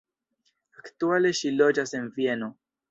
Aktuale ŝi loĝas en Vieno.